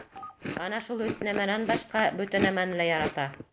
Ана шул өс нәмәнән башҡа бөтә нәмәне лә ярата.